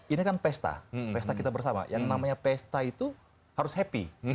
ini kan pesta pesta kita bersama yang namanya pesta itu harus happy